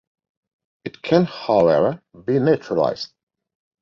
It can, however, be neutralized.